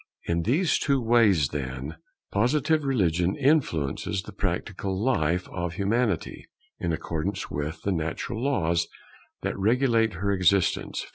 In these two ways, then, Positive religion influences the practical life of Humanity, in accordance with the natural laws that regulate her existence.